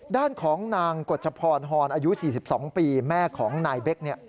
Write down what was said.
ด้านของนางกฎชพรฮอนอายุ๔๒ปีแม่ของนายเบค